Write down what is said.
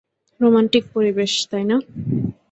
Romantic পরিবেশ, তাই না?